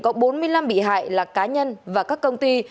có bốn mươi năm bị hại là cá nhân và các công ty